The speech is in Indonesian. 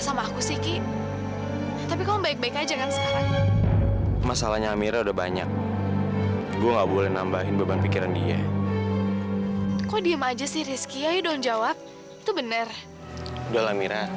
sampai jumpa di video selanjutnya